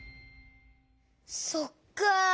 そっか。